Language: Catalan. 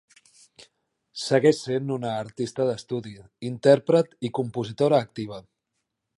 Segueix sent una artista d'estudi, intèrpret i compositora activa.